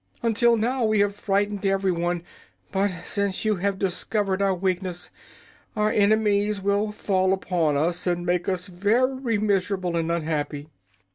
Until now we have frightened everyone, but since you have discovered our weakness our enemies will fall upon us and make us very miserable and unhappy."